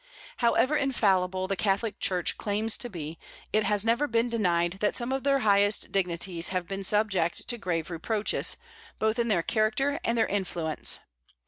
However infallible the Catholic Church claims to be, it has never been denied that some of her highest dignitaries have been subject to grave reproaches, both in their character and their influence.